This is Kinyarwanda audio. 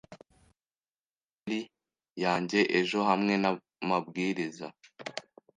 Wabonye imeri yanjye ejo hamwe namabwiriza?